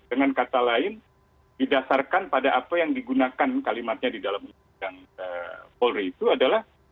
dengan kata lain didasarkan pada apa yang digunakan kalimatnya di dalam undang undang polri itu adalah